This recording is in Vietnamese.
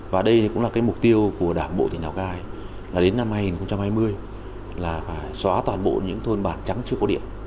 và đây cũng là cái mục tiêu của đảng bộ tỉnh lào cai là đến năm hai nghìn hai mươi là phải xóa toàn bộ những thôn bản trắng chưa có điện